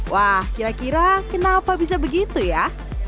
wah kira kira kenapa bisa begitu ya